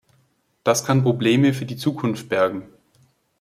Das kann Probleme für die Zukunft bergen.